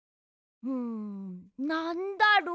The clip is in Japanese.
んなんだろう？